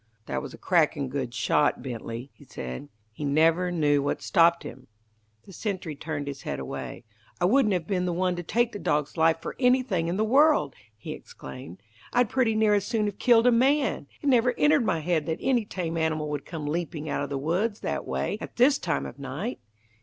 "That was a cracking good shot, Bently," he said. "He never knew what stopped him." The sentry turned his head away. "I wouldn't have been the one to take that dog's life for anything in the world!" he exclaimed. "I'd pretty near as soon have killed a man. It never entered my head that any tame animal would come leaping out of the woods that way at this time of night.